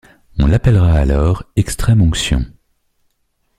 On l'appellera alors extrême onction.